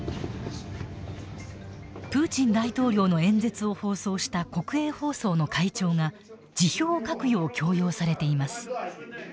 プーチン大統領の演説を放送した国営放送の会長が辞表を書くよう強要されています。